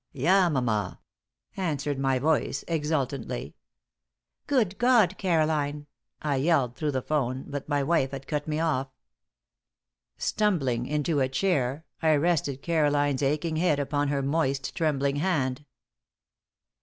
"Yamama," answered my voice, exultantly. "Good God, Caroline!" I yelled through the 'phone, but my wife had cut me off. Stumbling into a chair, I rested Caroline's aching head upon her moist, trembling hand.